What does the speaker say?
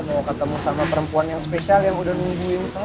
mau ketemu sama perempuan yang spesial yang udah nungguin